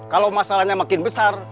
kalau masalahnya makin besar